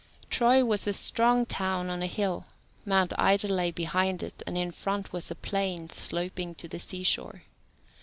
Troy was a strong town on a hill. Mount Ida lay behind it, and in front was a plain sloping to the sea shore.